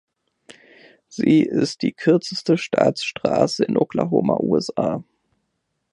Sie ist die kürzeste Staatsstraße in Oklahoma, USA.